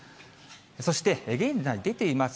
そして、現在出ています